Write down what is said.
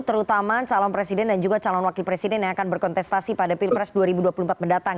terutama calon presiden dan juga calon wakil presiden yang akan berkontestasi pada pilpres dua ribu dua puluh empat mendatang